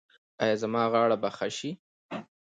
ایا زما غاړه به ښه شي؟